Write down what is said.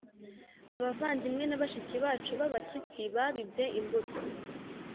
Abavandimwe na bashiki bacu b’Abakisi babibye imbuto